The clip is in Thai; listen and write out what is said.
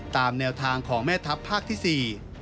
ตามแนวทางของแม่ทัพภาคที่๔